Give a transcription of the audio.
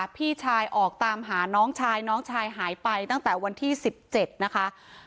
พี่ชายออกตามหาน้องชายน้องชายหายไปตั้งแต่วันที่๑๗นะคะ